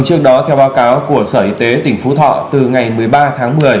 trước đó theo báo cáo của sở y tế tỉnh phú thọ từ ngày một mươi ba tháng một mươi